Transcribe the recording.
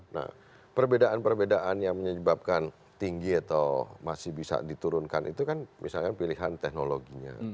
nah perbedaan perbedaan yang menyebabkan tinggi atau masih bisa diturunkan itu kan misalkan pilihan teknologinya